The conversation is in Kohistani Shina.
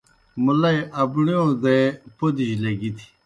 مُلئی ابݨِیؤ دے پوْدِجیْ لگِتھیْ۔